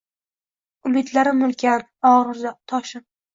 Umidlarim ulkan — og‘irdir toshim